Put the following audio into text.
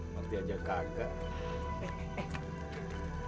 nanti aja kagak